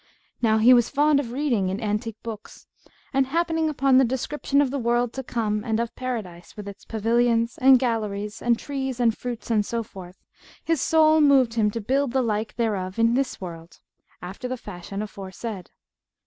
Now he was fond of reading in antique books; and, happening upon the description of the world to come and of Paradise, with its pavilions and galleries and trees and fruits and so forth, his soul moved him to build the like thereof in this world, after the fashion aforesaid.